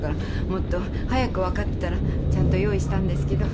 もっと早く分かってたらちゃんと用意したんですけど。